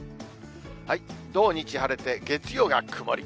土日晴れて、月曜が曇り。